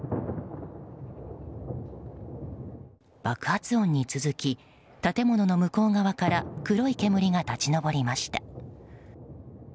爆発音に続き建物の向こう側から黒い煙が立ち上りました。